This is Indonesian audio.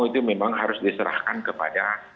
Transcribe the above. itu memang harus diserahkan kepada